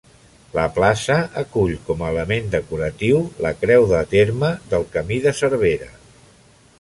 La plaça acull com a element decoratiu la creu de terme del camí de Cervera.